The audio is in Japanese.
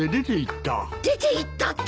出ていったって